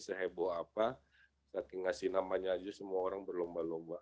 seheboh apa saking ngasih namanya aja semua orang berlomba lomba